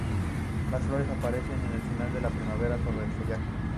Las flores aparecen el final de la primavera sobre el follaje.